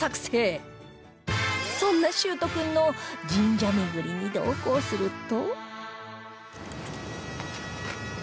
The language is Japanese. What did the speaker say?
そんな秀斗君の神社巡りに同行すると